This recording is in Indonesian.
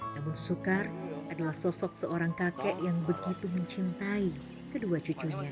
namun soekar adalah sosok seorang kakek yang begitu mencintai kedua cucunya